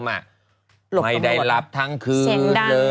ไม่ได้รับทั้งคืนเลย